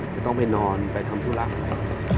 จะต้องไปนอนไปทำธุรักษ์อะไร